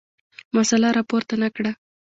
مسله راپورته نه کړه.